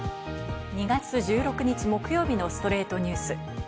２月１６日、木曜日の『ストレイトニュース』。